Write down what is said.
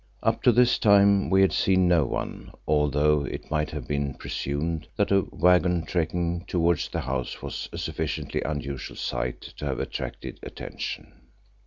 Up to this time we had seen no one, although it might have been presumed that a waggon trekking towards the house was a sufficiently unusual sight to have attracted attention.